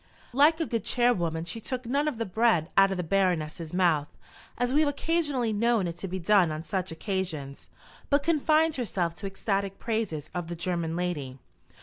Like a good chairwoman, she took none of the bread out of the Baroness's mouth as we have occasionally known it to be done on such occasions but confined herself to ecstatic praises of the German lady.